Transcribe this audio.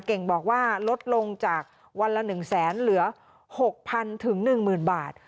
เก่งบอกว่าลดลงจากวันละ๑๐๐๐๐๐เหลือ๖๐๐๐ถึง๑๐๐๐๐บาท